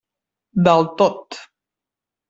Del tot.